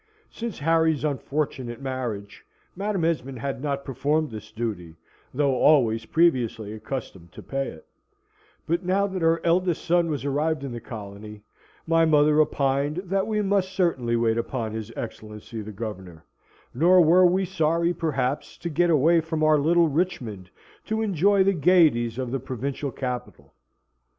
Since Harry's unfortunate marriage Madam Esmond had not performed this duty, though always previously accustomed to pay it; but now that her eldest son was arrived in the colony, my mother opined that we must certainly wait upon his Excellency the Governor, nor were we sorry, perhaps, to get away from our little Richmond to enjoy the gaieties of the provincial capital.